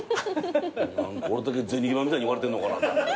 俺だけ銭ゲバみたいに言われてんのかなと。